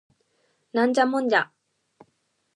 ナンジャモンジャ